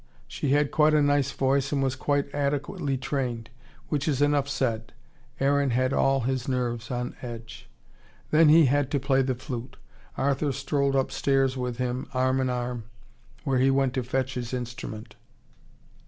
She had quite a nice voice and was quite adequately trained. Which is enough said. Aaron had all his nerves on edge. Then he had to play the flute. Arthur strolled upstairs with him, arm in arm, where he went to fetch his instrument.